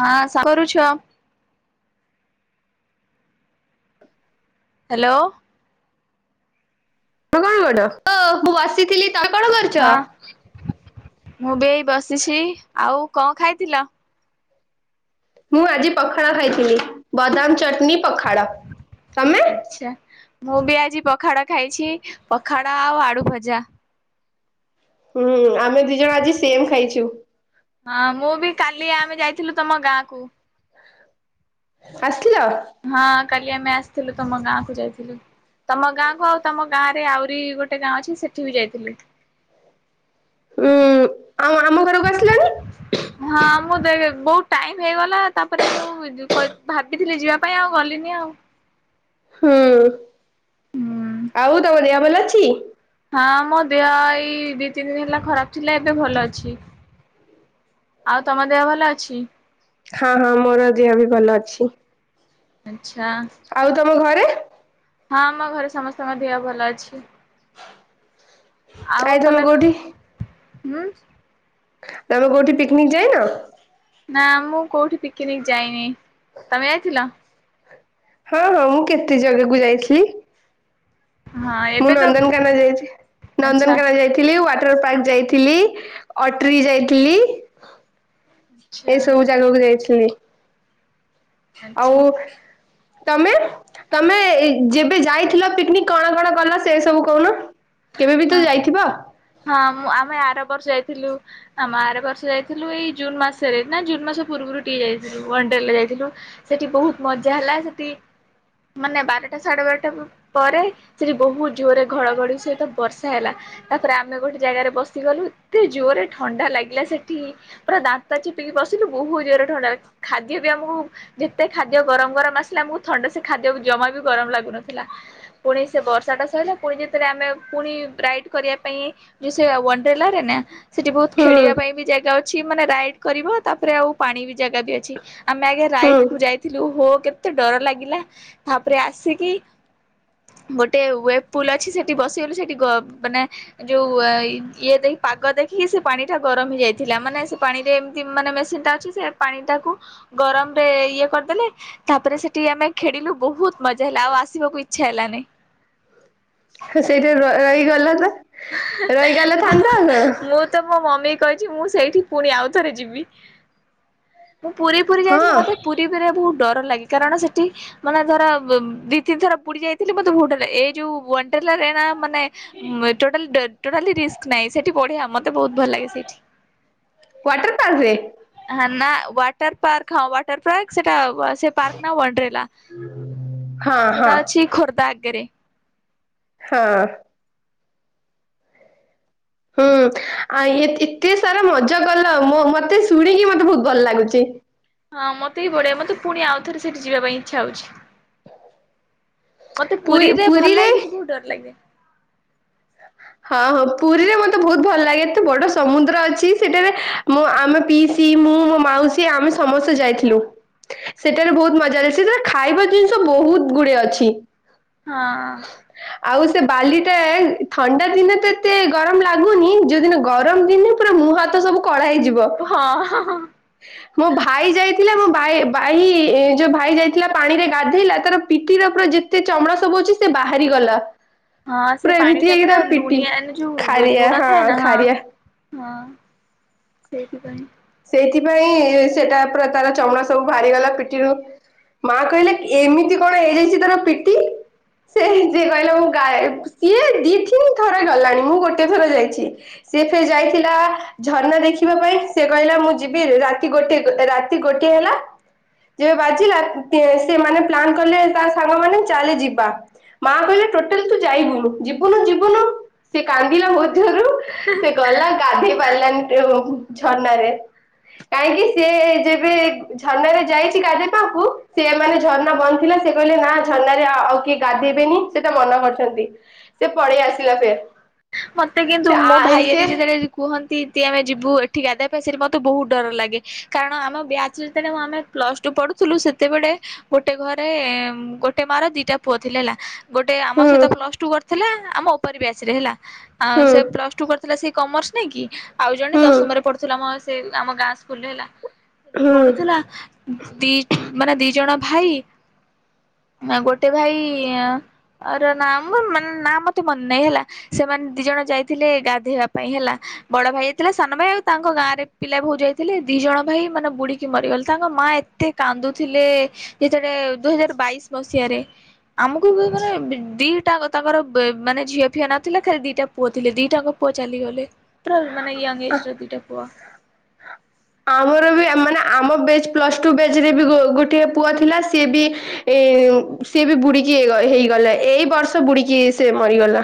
ହଁ ସ କରୁଛ? ହ୍ୟାଲୋ। ତମେ କଣ କରୁଛ ମୁଁ ବସିଥିଲି। ତମେ କଣ କର ହଁ ମୁଁ ବି ଏଇ ବସିଛି ଆଉ କଣ ଖାଇଥିଲ? ମୁଁ ଆଜି ପଖାଳ ଖାଇଥିଲି, ବଦାମ ଚଟଣି ପଖାଳ ତମେ? ଆଛା ମୁଁ ବି ଆଜି ପଖାଡ ଖାଇଛି, ପଖାଡ ଆଉ ଆଳୁ ଭଜା। ହୁଁ ଆମେ ଦି ଜଣ ଆଜି ସେମ୍ ଖାଇଛୁ। ହଁ ମୁଁ ବି କାଲି ଆମେ ଯାଇଥିଲୁ ତମ ଗାଁ କୁ। ଆସିଥିଲ। ହଁ କାଲି ଆମେ ଆସିଥିଲୁ ତମ ଗାଁ କୁ ଯାଇଥିଲୁ। ତମ ଗାଁ କୁ, ଆଉ ତମ ଗାଁ ରେ ଆହୁରି ଗୋଟେ ଗାଁ ଅଛି ସେଠି ବି ଯାଇଥିଲି। ଉୁଁ ଆଉ ଆମ ଘରକୁ ଆସିଲନି? ହଁ ମୁଁ ଦେ ବହୁତ ଟାଇମ ହେଇଗଲା। ତାପରେ ମୁଁ ଜ ଭାବିଥିଲି ଯିବା ପାଇଁ ଆଉ ଗଲିନି ଆଉ ହୁଁ ହୁଁ ଆଉ ତମ ଦେହ ଭଲ ଅଛି? ହଁ ମୋ ଦେହ ଏଇ ଦି ତିନିଦିନ ହେଲା ଖରାପ ଥିଲା ଏବେ ଭଲ ଅଛି। ଆଉ ତମ ଦେହ ଭଲ ଅଛି? ହଁ ହଁ ମୋର ଦିହ ବି ଭଲ ଅଛି। ଆଚ୍ଛା। ଆଉ ତମ ଘରେ? ହଁ ଆମ ଘରେ ସମସ୍ତଙ୍କ ଦେହ ଭଲ ଅଛି। ଆଉ ଆଇ ତମେ କୋଉଠି ହୁଁ ତମେ କୋଉଠି ପିକନିକ୍ ଯାଇନ? ନା ମୁଁ କୋଉଠି ପିକନିକ୍ ଯାଇନି ତମେ ଯାଇଥିଲ? ହଁ ହଁ ମୁଁ କେତେ ଜାଗାକୁ ଯାଇଥିଲି। ହଁ ମୁଁ ଏବେ ତ ନନ୍ଦନକାନ ଯାଇଛି ଆଚ୍ଛା ନନ୍ଦନକାନ ଯାଇଥିଲି ୱାଟରପାର୍କ ଯାଇ ଥିଲି ଅଟ୍ରି ଯାଇଥିଲି। ଆଚ୍ଛା ଏସବୁ ଜାଗାକୁ ଯାଇଥିଲି। ଆଚ୍ଛା ଆଉ ତମେ ତମେ ଯେବେ ଯାଇଥିଲ ପିକନିକ୍ କଣ କଣ ଗଲ ସେ ସବୁ କହୁନ କେବେବି ତ ହଁ। ଯାଇଥିବ? ହଁ ମୁଁ ଆମେ ଆରବର୍ଷ ଯାଇଥିଲୁ ଆମେ ଆରବର୍ଷ ଯାଇଥିଲୁ ଏଇ ଜୁନ ମାସରେ ନା ଜୁନ୍ ମାସ ପୂର୍ବରୁ ଟିକେ ଯାଇଥିଲୁ ଓଣ୍ଡେଲା ଯାଇଥିଲୁ। ସେଠି ବହୁତ ମଜା ହେଲା ସେଠି ମାନେ ବାରଟା ସାଢେବାରଟା ପ ପରେ ସେଠି ବହୁତ ଜୋରେ ଘଡଘଡି ସ ହାତ ବର୍ଷା ହେଲା ତାପରେ ଆମେ ଗୋଟେ ଜାଗାରେ ବସିଗଲୁ ଏତେ ଜୋରରେ ଥଣ୍ଡା ଲାଗିଲା ସେଠି ପୁରା ଦାନ୍ତ ଚିପିକି ବସିଲୁ ବହୁତ ଜୋରରେ ଥଣ୍ଡା ଖାଦ୍ୟ ବି ଆମକୁ ଯେତେ ଖାଦ୍ୟ ଗରମ ଗରମ ଆସିଲା ଆମୁକୁ ଥଣ୍ଡା ସେ ଖାଦ୍ୟକୁ ଜମା ବି ଗରମ ଲାଗୁନଥିଲା। ପୁଣି ସେ ବର୍ଷା ଟା ସଇଲା ପୁଣି ଯେତେବେଳେ ଆମେ ପୁଣି ରାଇଟ କରିବା ପାଇଁ ଯୋଉ ସେ ୱାଟଲାରେ ନା ସେଠି ବହୁତ ହୁଁ ଖେଳିବା ପାଇଁ ବି ଜାଗା ଅ ଅଛି ମାନେ ରାଇଡ କରିବ ତାପରେ ଆଉ ପାଣି ବି ଜାଗା ବି ଅଛି ଆମେ ଆଗେ ରାଇଟକୁ ହୁଁ ଯାଇଥିଲୁ ହୋ କେତେ ଡର ଲାଗିଲା ପରେ ଆସିକି ଗୋଟେ ୱେବ ପୁଲ ଅଛି ସେଠି ବସିଗଲୁ ସେଠି ଗ ମାନେ ଯୋଉ ଇଏ ଦେଇ ପାଗ ଦେଖିକି ସେ ପାଣିଟା ଗରମ ହେଇଯାଇଥିଲା ମାନେ ସେ ପାଣିରେ ଏମତି ମାନେ ମେସିନଟା ଅଛି ସେ ପାଣିଟାକୁ ଗରମରେ ଇଏ କରିଦେଲେ ସେ ତାପରେ ସେଠି ଆମେ ଖେଳିଲୁ ବହୁତ ମଜା ହେଲା ଆଉ ଆସିବାକୁ ଇଚ୍ଛା ହେଲାନି। ସେଇଠି ର ରହିଗଲନ ରହିଗଲେ ଥାନ୍ତା ଆଉ କଣ? ମୁଁ ତ ମୋ ମମିକି କହିଚି ମୁଁ ସେଇଠି ପୁଣି ଆଉ ଥରେ ଯିବି। ମୁଁ ପୁରୀ ପୁରୀ ଯାଇଚି ହଁ ମତେ ପୁରୀ ପୁରୀରେ ଭେରି ବହୁତ ଡର ଲାଗେ କାରଣ ସେଟି ମାନେ ଧର ଦି ତିନିଥର ପୁରୀ ଯାଇଥିଲି ମତେ ବହୁତ ଡର ଲାଗେ ଏଇ ଯୋଉ ୱାଣ୍ଡରଲାରେ ନା ମାନେ ଟୋଟାଲି ଟୋଟାଲି ରିକ୍ସ୍ ନାଇଁ ସେଠି ବଢିଆ ମତେ ବହୁତ ଭଲ ଲାଗେ ସେଇଠି। ୱାଟରପାର୍କରେ ହଁ ନା ୱାଟରପାର୍କ ହଁ ୱାଟରପାର୍କ ସେଟା ସେ ପାର୍କ ନା ୱାଣ୍ଡିରିଲା। ହଁ ହଁ ସେଟା ଅଛି ଖୋର୍ଦ୍ଧା ଆଗେରେ। ହଁ। ହୁଁ ଆଉ ଏ ଏତେ ଏତେସାରା ମଜା କଲ ମୋ ମତେ ଶୁଣିକି ମତେ ବହୁତ ଭଲ ଲାଗୁଚି। ହଁ ମତେ ବି ବଢଆ ମତେ ପୁଣି ଆଉଥରେ ସେଇଠି ଯିବା ପାଇଁ ଇଚ୍ଛା ହଉଚି। ମତେ ପୁରୀରେ ଭଲ ଲାଗେ କିନ୍ତୁ ବହୁତ ଡର ଲାଗେ। ହଁ ହଁ ପୁରୀରେ ମତେ ବହୁତ ଭଲ ଲାଗେ ଏତେ ବଡ ସମୁଦ୍ର ଅଛି ସେଠାରେ। ମୋ ଆମେ ପିଇସି, ମୁଁ, ମୋ ମାଉସୀ, ଆମେ ସମସ୍ତେ ଯାଇଥିଲୁ। ସେଟାରେ ବହୁତ ମଜାଳିଆ ସେ ଜ ଖାଇବା ଜିନିଷ ବହୁତ ଗୁଡିଏ ଅଛି। ହଁ। ଆଉ ସେ ବାଲିଟାଏ ଥଣ୍ଡା ଦିନେ ତ ଏତେ ଗରମ ଲାଗୁନି ଯୋଉଦିନ ଗରମ ଦିନେ ପୁରା ମୁହ ହାତ ସବୁ କଳା ହେଇଯିବ। ହଁ ହଁ ହଁ। ମୋ ଭାଇ ଯାଇଥିଲା ମୋ ଭାଇ ଭାଇ ଯୋଉ ଭାଇ ଯାଇଥିଲା ପାଣିରେ ଗାଧେଇଲା ତାର ପିଠିର ପୁରା ଯେତେ ଚମଡା ସବୁ ଅଛି ସେ ବାହାରି ଗଲା। ହଁ ସେ ପୁରା ପାଣି ଏମିତି ଟା ହେଇକି ପୁରା ତା ପିଟି ଲୁଣିଆ ଏଇନା ଯଉ ଖାରିଆ ଲୁଣ ଥାଏ ନା ହଁ। ଖାରିଆ। ହଁ ସେଇଥିପାଇଁ। ସେଇଥିପାଇଁ ସେଟା ପୁରା ତାର ଚମଡା ସବୁ ବାହାରିଗଲା ପିଠରୁ। ମା କହିଲେ ଏମିତି କଣ ହେଇଯାଇଛି ତୋର ପିଠି? ସେ ଯିଏ କହିଲା ମୁଁ ଗାଏ ସିଏ ଦି ତିନି ଥର ଗଲାଣି ମୁଁ ଗୋଟେ ଥର ଯାଇଛି। ସେଏ ଫେର ଯାଇଥିଲା ଝର୍ଣା ଦେଖି ଦେଖିବା ପାଇଁ, ସେ କହିଲା ମୁଁ ଯିବି ରାତି ଗୋଟଏ ରାତି ଗୋଟିଏ ହେଲା। ଯେବେ ବାଜିଲା ତେନ୍ ସେମାନେ ପ୍ଲାନ୍ କଲେ ତା ସାଙ୍ଗ ମାନ ଚାଲେ ଯିବା। ମା କହିଲେ ଟୋଟାଲ ତୁ ଯାଇବୁନୁ ଯିବୁନୁ ଯିବୁନୁ ସେ କାନ୍ଦିଲା ମଧ୍ୟରୁ ସେ ଗଲା ଗାଧୋଇ ପାରିଲାନି ଟୁ ଝରଣାରେ। କାହିଁକି ସିଏ ଯେବେ ଝରଣାରେ ଯାଇଛି ଗାଧେ ପାକୁ ସିଏ ମାନେ ଝରଣା ବନ୍ଦ ଥିଲା ସେ କହିଲେ ନା ଝରଣାରେ ଆଉ କିଏ ଗାଧେଇବେନି ସେଟା ମନା କରୁଛନ୍ତି। ସେ ପଲେଇ ଆସିଲା ଫେର। ମତେ କିନ୍ତୁ ମୋ ଭାଇରେ ଯେତେବେଳେ କୁହନ୍ତିିନ୍ତି ଆମେ ଯିବୁ ଏଠି ଗାଧବା ପାଇଁ ସେଠି ମୋତେ ବହୁତ ଡର ଲାଗେ। କାରଣ ଆମ ବ୍ୟାଚ ଯେତେବେଳେ ମୁଁ ଆମେ ପ୍ଲସ ଟୁ ପଢୁଥିଲୁ ସେତେବେଳେ ଗୋଟେ ଘରେ ଗୋଟେ ମା ର ଦିଟା ପୁଅ ଥିଲେ ହେଲା। ଗୋଟେ ଆମ ହୁଁ ସହିତ ପ୍ଲସ ଟୁ କରିଥିଲା ଆମ ଉପରେ ବ୍ୟାଚରେ ହେଲା। ଆଉ ହୁଁ ସେ ପ୍ଲସ ଟୁ କରିଥିଲା ସେଇ କମର୍ସ ନେଇକ କି ଆଉ ଜଣେ ହୁଁ ଦଶମରେ ପଢୁଥିଲା ମୋ ସେ ଆମ ଗାଁ ସ୍କୁଲରେ ହେଲା ହୁଁ। ପଢୁଥିଲା। ଦି ମାନେ ଦି ଜଣ ଭାଇ ଗୋଟେ ଭାଇ ର ନାମ ମାନେ ନାଁ ମତେ ମନେ ନାହିଁ ହେଲା। ସେମାନେ ଦି ଜଣ ଯାଇଥିଲେ ଗାଧୋଇବା ପାଇଁ ହେଲା। ବଡ ଭାଇ ଥିଲା ସାନ ଭାଇ ଆଉ ତାଙ୍କ ଗାଁରେ ପିଲା ଭଉ ଯାଇଥିଲେ ଦି ଜଣ ଭାଇ ମାନେ ବୁଡିକି ମରିଗଲେ। ତାଙ୍କ ମା ଏ ଏତେ କାନ୍ଦୁଥିଲେ ଯେତେବେଳେ ଦୁଇ ହଜାର ବାଇଶ ମସିହାରେ। ଆମକୁ ବି ମାନେ ଦିଟା ତାଙ୍କର ବେ ମାନେ ଝିଅ ଫିଅ ନ ଥିଲେ ଖାଲି ଦିଟା ପୁଅ ଥିଲେ ଦିଟାକ ପୁଅ ଚାଲିଗଲେ, ପୁରା ମାନେ ୟଙ୍ଗ ଏଜ ର ଦିଟା ପୁଅ। ଆମର ବି ମାନେ ଆମ ବେଚ୍ ପ୍ଲସ ଟୁ ବେଚ୍ ରେ ବି ଗୋଟେ ପୁଅ ଥିଲା ସିଏ ବି ଏ ସିଏ ବି ବୁଡିକି ହେ ହେଇଗଲା ଏଇ ବର୍ଷ ବୁଡିକି ସେ ମରିଗଲା।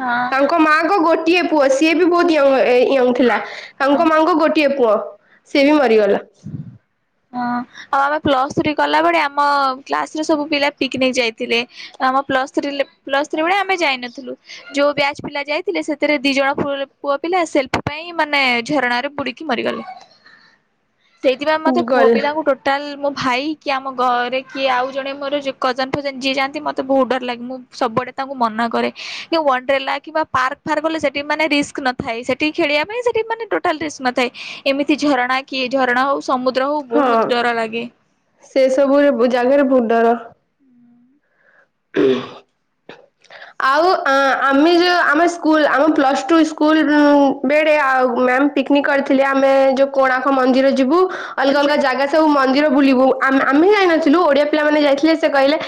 ହଁ ତାଙ୍କ ମାଙ୍କ ଗୋଟିଏ ପୁଅ ସିଏ ବି ବହୁତ ୟଙ୍ଗ ୟଙ୍ଗ ଥିଲା ହଁ। ତାଙ୍କ ମାଙ୍କ ଗୋଟିଏ ପୁଅ। ସିଏ ବି ମରିଗଲା। ହଁ ଆଉ ଆମେ ପ୍ଲସ୍ ଥ୍ରୀ କଲା ବଳେ ଆମ କ୍ଲାସରେ ସବୁ ପିଲା ପିକନିକ ଯାଇଥିଲେ। ଆମ ପ୍ଲସ୍ ଥ୍ରୀ ଲେ ପ୍ଲସ୍ ଥ୍ରୀ ଭଳେ ଆମେ ଯାଇନଥିଲୁ। ଯୋଉ ବ୍ୟାଚ୍ ପିଲା ଯାଇଥିଲେ ସେଥିରେ ଦି ଜଣ ଫୁ ପୁଅ ପିଲା ସେଲ୍ଫି ପାଇଁ ମାନେ ଝରଣାରେ ବୁଡି କି ମରିଗଲେ ସେଇଥିପାଇଁ ମତେ ଗଲା ମୁଁ ଟୋଟାଲ ମୋ ଭାଇ କି ଆମ ଘରେ କିଏ ଆଉ ଜଣେ ମୋର ଯେ କଜନ ଫଜନ ଯିଏ ଯାଆନ୍ତି ମତେ ବହୁତ ଡର ଲାଗେ ମୁଁ ସବୁଆଡେ ତାଙ୍କୁ ମନା କରେ କି ୱାନଡ୍ରଲା କିବା ପାର୍କ ଫାର୍କ ଗଲେ ସେଠି ମାନେ ରିସ୍କ ନ ଥାଏ ସେଠି ଖେଳିବା ପାଇଁ ସେଠି ମାନେ ଟୋଟାଲ ରିସ୍ ନ ଥାଏ ଏମିତି ଝରଣା କିଏ ଝରଣା ହଉ ସମୁଦ୍ର ହଉ ବହୁତ ଡର ଲାଗେ। ସେସବୁରେ ବ ଜାଗାରେ ବହୁତ୍ ଡର। [inaudible] [unintelligible] ଆଉ ଆ ଆମେ ଯେଉଁ ଆମେ ସ୍କୁଲ ଆମ ପ୍ଲସ୍ ଟୁ ସ୍କୁଲ୍ ରୁ ବେଳେ ଆଉ ମ୍ୟାମ୍ ପିକନିକ କରିଥିଲେ ଆମେ ଯୋଉ କୋଣାର୍କ ମନ୍ଦିର ଯିବୁ ଅଲଗା ଆଚ୍ଛା ଅଲଗା ଜାଗା ସବୁ ମନ୍ଦିର ବୁଲିବୁ ଆମେ ଆମେ ଯାଇନଥିଲୁ ଓଡ଼ିଆ ପିଲାମାନେ ଯାଇଥିଲେ ସେ କହିଲେ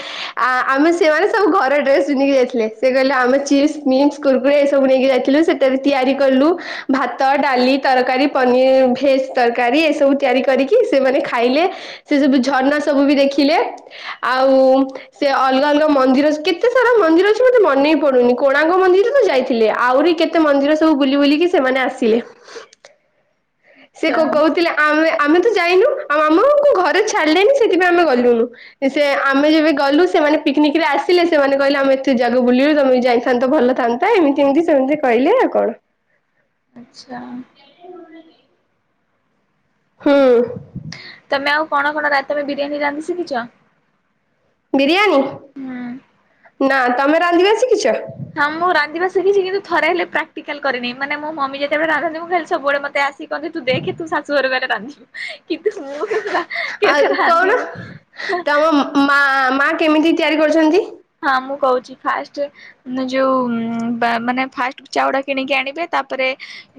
ଆ ଆମେ ସେମାନେ ସବୁ ଘରେ ଡ୍ରେସ ପିନ୍ଧିକି ଯାଇଥିଲେ ସେ କହିଲେ ଆମେ ଚିପ୍ ମିନ୍ସ କୁୁରକୁରି ଏ ସବୁ ନେଇକି ଯାଇଥିଲୁ ସେ ଠି ତିଆରି କଲୁ ଭାତ ଡାଲି ତରକାରୀ ପନିର ଭେଜ ତରକାରୀ ଏସବୁ ତିଆରି କରିକି ସେମାନେ ଖାଇଲେ। ସେ ସବୁ ଝରନା ସବୁ ବି ଦେଖିଲେ ଆଉ ସେ ଅଲଗା ଅଲଗା ମନ୍ଦିର ସ୍ କେତେ ସାରା ମନ୍ଦିର ଅଛି ମୋତେ ମନେ ବି ପଡ଼ୁନି କୋଣାର୍କ ମନ୍ଦିର ତ ଯାଇଥିଲେ ଆହୁରି କେତେ ତେ ମନ୍ଦିର ସବୁ ବୁଲି ବୁଲିକି ସେମାନେ ଆସିଲେ। ସେ ଆଚ୍ଛା କୋଉ କୋହୁଥିଲେ ଆମେ ଆମେ ତ ଯାଇନୁ ଆଉ ଆମକୁ ଘରେ ଛାଡିଲେନି ସେଥିପାଇଁ ଆମେ ଗଲୁନୁ। ସେ ଆମେ ଯେବେ ଗଲୁ ସେମାନେ ପିକ୍ନିକ ରେ ଆସିଲେ ସେମାନେ କହିଲେ ଆମେ ଏତେ ଜାଗା ବୁଲିଲୁ ତମେ ଯାଇଥାନ୍ତ ଭଲଥାନ୍ତ ନ୍ତା ଏମିତି ଏମିତି ସେମିତି କହିଲେ ଆଉ କଣ। ଆଚ୍ଛା। ହୁଁ ଓ ତମେ ଆଉ କଣ କଣ ରା ତମେ ବିରିୟାନୀ ରାନ୍ଧି ଶିଖିଛ। ହୁଁ। ବିରିୟାନୀ ନା ତମେ ରାନ୍ଧିବା ଶିଖିଛ। ହଁ ମୁଁ ରାନ୍ଧିବା ଶିଖଛି କିନ୍ତୁ ଥରେ ହେଲେ ପ୍ରାଟିକାଲ କରିନି ମାନେ ମୋ ମମି ଯେତେବେଳେ ରାନ୍ଧନ୍ତି ମୁ ଖାଲି ସବୁବେଳେ ମତେ ଆସି କହନ୍ତି ତୁ ଦେଖେ ତୁ ଶାଶୁ ଘର ଗଲେ ରାନ୍ଧିବୁ। ଆଉ କହୁନ ତମ [unintelligible] ମା ମା କେମିତି ତିଆରି କରୁଛନ୍ତି। ହଁ ମୁଁ କହୁଛି ଫାଷ୍ଟ ଉନ୍ ଯୋଉ ବା ମାନେ ଫାଷ୍ଟ ଚାଉଡା କିଣିକି ଆଣିବେ ତାପରେ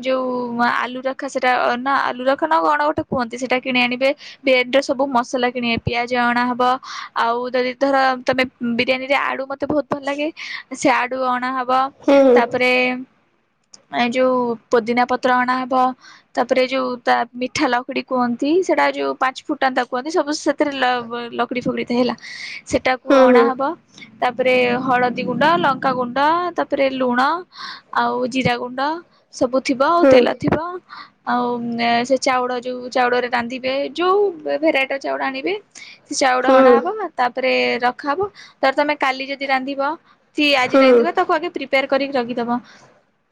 ଯୋଉ ଆଲୁ ରଖା ସେଟା ନା ଆଲୁ ରଖା ନ କଣ ଗୋଟେ କୁହନ୍ତି ସେଟା କିଣି ଆଣିବେ। ବେ ଡେ ର ସବୁ ମସଲା କିଣିବେ ପିଆଜ ଅଣା ହବ ଆଉ ଯଦି ଧର ତମେ ବିରିୟାନୀ ସେ ଆଡୁ ମତେ ବହୁତ ଭଲ ଲାଗେ ସେ ଆଡୁ ଅଣା ହବ ହୁଁ ତାପରେ ନେ ଯୋଉ ପୋଦିନା ପତ୍ର ଅଣାହବ। ତାପରେ ଯୋଉ ତା ମିଠା ଲକ୍ଡି କୁହନ୍ତି ସେଟା ଯୋଉ ପାଞ୍ଚ ଫୁଟାନ୍ତା କୁହନ୍ତି ସବୁ ସେ ଥୀରେ ଲବ୍ ଲକୁଡି ଫକୁଡି ତ ହେଲା ସେଟାକୁ ହୁଁ ହୁଁ ଅଣାହବ। ତାପରେ ହଳଦୀ ଗୁଣ୍ଡ ଲଙ୍କା ଗୁଣ୍ଡ ତାପରେ ଲୁଣ ଆଉ ଜିରା ଗୁଣ୍ଡ ସବୁ ଥିବ ଆଉ ହୁଁ ତେଲ ଥିବ। ଆଉ ଏଁ ସେ ଚାଉଳ ଯୋଉ ଚାଉଳରେ ରାନ୍ଧିବେ ଯୋଉ ଭେରାଇଟି ର ଚାଉଳ ଆଣିବେ ସେ ଚାଉଳ ହୁଁ ଅଣାହବ ତାପରେ ରଖାହବ ଧର ତମେ କାଲି ଯଦି ରାନ୍ଧିବ କି ଆଜି ହୁଁ ରାନ୍ଧିବ ତାକୁ ଆଗେ ପ୍ରିପେୟାର କରିକି ରଖିଦବ।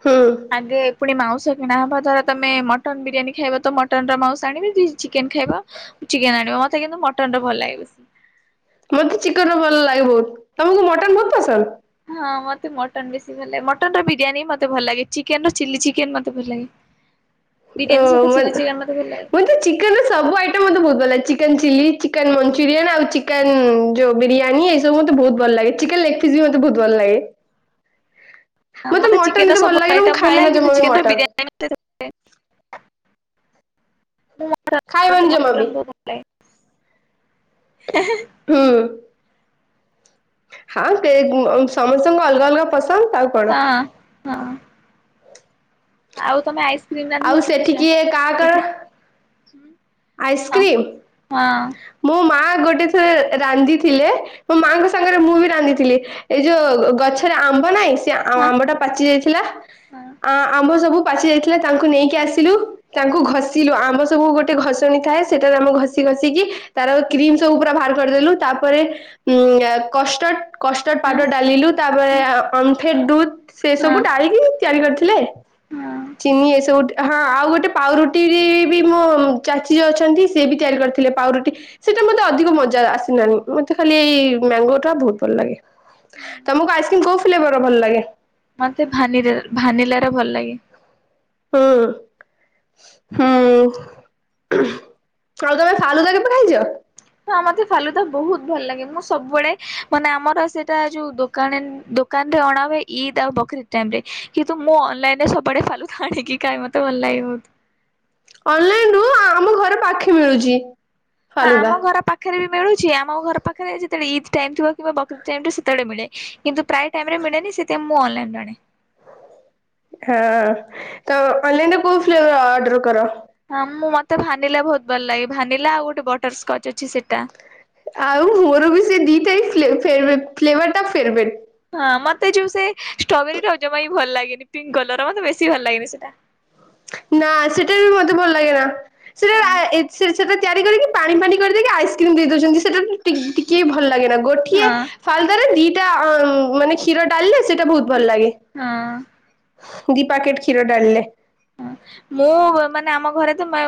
ହୁଁ। ଆଗେ ପୁଣି ମାଉଁସ କିଣାହବା ଧର ତମେ ମଟନ୍ ବିରିୟାନୀ ଖାଇବ ତ ମଟନର ମାଉଁସ ଆଣିବ ଯିଏ ଚିକେନ ଖାଇବ ଚିକେନ ଆଣିବ ମତେ କିନ୍ତୁ ମଟନ ଟା ଭଲ ଲାଗେ ବେଶୀ। ମତେ ଚିକେନ ର ଭଲ ଲାଗେ ବହୁତ ତମକୁ ମଟନ ବହୁତ ପସନ୍ଦ। ହଁ ମତେ ମଟନ ବେଶୀ ଭଲ ଲାଗେ ମଟନ ର ବିରିୟାନୀ ମତେ ଭଲ ଲାଗେ ଚିକେନ ର ଚିଲି ଚିକେନ ମତେ ଭଲ ଲାଗେ। [inaudible] ଅ ସହିତ ଚିଲି ମତ୍ ଚିକେନ ମତେ ଭଲ ଲାଗେ। ମୁତ ଚି ଚିକେନ ର ସବୁ ଆଇଟମ୍ ମୋତେ ବହୁତ ଭଲ ଲାଗେ ଚିକେନ୍ ଚିଲି ଚିକେନ୍ ମଞ୍ଚୁରିୟନ୍ ଆଉ ଚିକେନ୍ ଯଉ ବିରିୟାନୀ ଏ ସ ବୁ ମତେ ବହୁତ ଭଲ ଲାଗେ ଚିକେନ ଲେଗ ଫିସ ବି ମତେ ବହୁତ ଭଲ ଲାଗେ। ଆ ମତେ ମଟନ ଚିକେନ ର ଏତେ ଭଲ ସବୁ ଲାଗେନା ମୁଁ ଆଇଟମ ଭଲ ଖାଏନା ଲାଗେ ଜମା କିନ୍ତୁ ବି ଚିକେନ ର ମଟନ ବିରିୟାନୀ। ଖାଇବନି ଜମା ବି। [unintelligible] [unintelligible] ହୁଁ। ହଁ ସେ ଗୁ ସମସ୍ତଙ୍କୁ ଅଲଗା ଅଲଗା ପସନ୍ଦ କଣ। ହଁ ହଁ। ଆଉ ତମେ ଆଇସ୍ ଆଉ ସେଠି କିଏ କା କର ଆ ହଁ। ମୋ ମା ଗୋଟେ ଥରେ ରାନ୍ଧିଥିଲେ, ମୋ ମାଙ୍କ ସାଙ୍ଗରେ ମୁଁ ବି ରାନ୍ଧିଥିଲି। ଏଇ ଯୋଉ ଗଛରେ ଆମ୍ବ ନାହିଁ ସେ ହଁ ଆମ୍ବ ଟା ପାଚି ଯାଇଥିଲା। ଆ ଆମ୍ବ ସବୁ ପାଚି ଯାଇଥିଲା ତାଙ୍କୁ ନେଇକି ଆସିଲୁ। ତାଙ୍କୁ ଘଷିଲୁ। ଆମ୍ବ ସବୁ ଗୋଟେ ଘଷଣି ଥାଏ ସେଟାରେ ଆମ୍ବ ଘଷି ଘଷିକି ତାର କ୍ରିମ ସବୁ ପୁରା ବାହାର କରିଦେଲୁ। ତାପରେ ଉ କଷ୍ଟର୍ଡ କଷ୍ଟଡ ହଁ ପାଉଡର ଡାଲିଲୁ। ତାପରେ ଅମ୍ଫେଡ଼୍ ଦୁଧ୍ ସେ ହଁ ସବୁ ଡାଳିକି ତିଆରି କରିଥିଲେ। ହଁ। ଚିନି ଏ ସବୁ, ହଁ ଆଉ ଗୋଟେ ପାଉରୁଟିରେ ବି ମୋ ଚାଚୀ ଯିଏ ଅଛନ୍ତି ସିଏ ବି ତିଆରି କରିଥିଲେ। ପାଉରୁଟି ସେଇଟା ମତେ ଅଧିକ ମଜା ଆସିନାନି। ମତେ ଖାଲି ଏଇ ମ୍ୟାଙ୍ଗୋ ଟା ବହୁତ ଭଲ ଲାଗେ। ତମକୁ ଆଇସ୍କ୍ରିମ୍ କୋଉ ଫ୍ଲେବର ର ଭଲ ଲାଗେ? ମତେ ଭାନିରା ଭାନିଲାର ଭଲ ଲାଗେ। ଉଁ ହୁଁ। ଆଉ ତମେ ଫାଲୁଦା କେବେ ଖାଇଛ? ହଁ ମତେ ଫାଲୁଦା ବହୁତ ଭଲ ଲାଗେ। ମୁଁ ସବୁବେଳେ ମାନେ ଆମର ସେଇଟା ଯୋଉ ଦୋକାଣେ ଦୋକ୍ ଦୋକାନରେ ଅଣା ହୁଏ ଇଦ୍ ଆଉ ବକରୀଦ ଟାଇମ୍ ରେ କିନ୍ତୁ ମୁଁ ଅନଲାଇନ ରେ ସବୁ ଆଡ଼େ ଫାଲୁଦା ଆଣିକି ଖାଏ ମୋତେ ଭଲ ଲାଗେ ବହୁତ। ଅନଲାଇନ ରୁ, ଆମ ଘରେ ପାଖେ ମିଳୁଚି। ହଁ ଆମ ଘର ପାଖରେ ବି ମିଳୁଛି। ଆମ ଘର ପାଖରେ ଯେତେବେଳେ ଇଦ୍ ଟାଇମ୍ ଥିବ କିମ୍ବା ବକରୀଦ ଟାଇମ ଥିବ ସେତେବେଳେ ମିଳେ। କିନ୍ତୁ ପ୍ରାୟ ଟାଇମ ରେ ମିଳେନି ସେଥିଆଇଁ ମୁଁ ଅନଲାଇନ ଆଣେ। ହଁ। ତ ଅନଲାଇନରେ କୋଉ ଫ୍ଲେଭର୍ ଅର୍ଡର କର? ହଁ ମୁଁ ମତେ ଭାନିଲା ବହୁତ ଭଲ ଲାଗେ ଭାନିଲା ଆଉ ଗୋଟେ ବଟର ସ୍କଚ ଅଛି ସେଟା। ଆଉ ମୋର ବି ସେ ଦି ଟା ଫ୍ଲେଭ ଫ୍ଲେବର୍ ଟା ଫେରବେଟ। ହଁ ମତେ ଯୋଉ ସେ ଷ୍ଟ୍ରବେରୀ ର ଜମା ଭଲ ଲାଗେନି, ପିଙ୍କ କଲର ର ମତେ ବେଶୀ ଭଲ ଲାଗେନି ସେଟା। ନା ସେଟା ବି ମତେ ଭଲ ଲାଗେନା। ସେଟା ହଁ ଆ ଏକ୍ସସେଜ୍ ସେଇଟା ତିଆରି କରିକି ପାଣି ପାଣି କରିଦେଇକି ଆଇସ୍କ୍ରିମ ଦେଇ ଦଉଛନ୍ତି ସେଇଟା ଟି ଟିକେ ବି ଭଲ ଲାଗେ ନା। ଗୋଠିଏ ହଁ। ଫାଲୁଦାରେ ଦିଟା ମାନେ ଆଁ କ୍ଷୀର ଡାଲିଲେ ସେଇଟା ବହୁତ ଭଲ ଲାଗେ। ହଁ ଦି ପ୍ୟାକେଟ କ୍ଷୀର ଡାଳିଲେ। ହଁ ମୁଁ ମାନେ ଆମ ଘରେ ତ ମା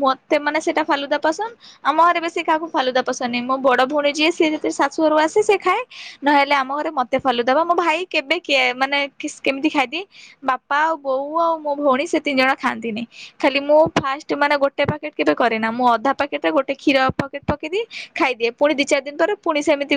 ମତେ ମାନେ ସେଟା ଫାଲୁଦା ପସନ୍ଦ। ଆମ ଘରେ ବେଶି କାହାକୁ ଫାଲୁଦା ପସନ୍ଦ ନାହିଁ। ମୋ ବଡ଼ ଭଉଣୀ ଯିଏ ସେ ଯେତେ ଶାଶୁ ଘରୁ ଆସେ ସେ ଖାଏ। ନହେଲେ ଆମ ଘରେ ମତେ ଫାଲୁଦା, ମୋ ଭାଇ କେବେ କିଏ ମାନେ କେମିତି ଖାଇଦିଏ। ବାପା ଆଉ ବୋଉ ଆଉ ମୋ ଭଉଣୀ ସେ ତିନି ଜଣ ଖାଆନ୍ତିନି। ଖାଲି ମୁଁ ଫାଷ୍ଟ ମାନେ ଗୋଟେ ପାକେଟ କେବେ କରେନା ମୁଁ ଅଧା ପାକେଟରେ ଗୋଟେ କ୍ଷୀର ପକେଟ ପକେଇଦିଏ। ଖାଇଦିଏ। ପୁଣି ଦିଇ ଚାର ଦିନ ପରେ ପୁଣି ସେମିତି